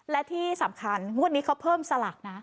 และที่สำคัญงวดนี้เขาเพิ่มสลากนะ